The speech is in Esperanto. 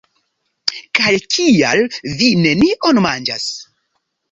Kaj kial vi nenion manĝas?